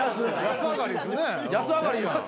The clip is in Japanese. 安上がりやん。